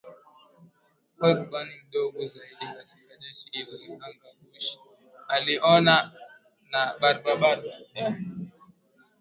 ya kuwa rubani mdogo zaidi katika jeshi hilo la anganiBush alioana na Barbara